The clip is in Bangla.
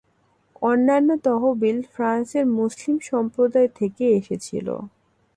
অন্যান্য তহবিল ফ্রান্সের মুসলিম সম্প্রদায় থেকে এসেছিলো।